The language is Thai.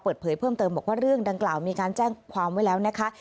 เปิดเผยเพิ่มเติมบอกว่าเรื่องดังกล่าวมีการแจ้งความไว้แล้วนะคะ